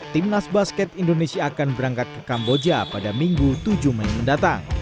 timnas basket indonesia akan berangkat ke kamboja pada minggu tujuh mei mendatang